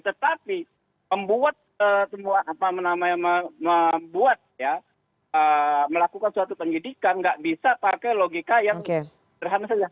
tetapi membuat melakukan suatu penyidikan nggak bisa pakai logika yang terhadap